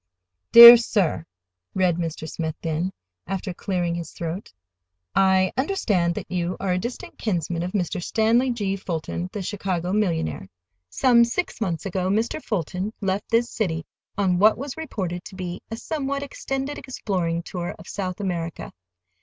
DEAR SIR (read Mr. Smith then, after clearing his throat),—I understand that you are a distant kinsman of Mr. Stanley G. Fulton, the Chicago millionaire. Some six months ago Mr. Fulton left this city on what was reported to be a somewhat extended exploring tour of South America.